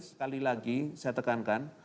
sekali lagi saya tekankan